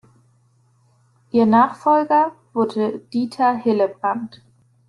Ihr Nachfolger wurde Dieter Hillebrand.